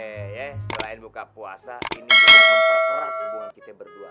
oke ya selain buka puasa ini juga super keras hubungan kita berdua